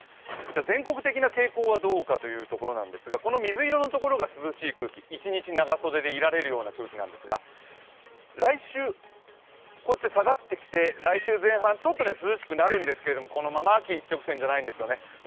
全国的な傾向はどうかというところなんですがこの水色のところが涼しい空気一日長袖でいられる空気なんですが来週、こうやって下がってきて、来週前半ちょっと涼しくなるんですけれどもこのまのま秋一直線じゃないんですよね。